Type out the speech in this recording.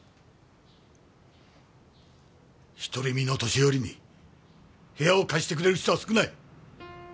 独り身の年寄りに部屋を貸してくれる人は少ない。